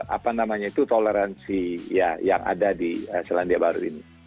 apa namanya itu toleransi yang ada di selandia baru ini